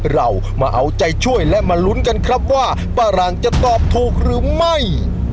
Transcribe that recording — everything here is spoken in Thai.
เรามาเอาใจช่วยและมาลุ้นกันครับว่าป้ารางจะตอบถูกหรือไม่